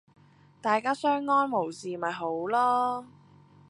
大家相安冇事咪好囉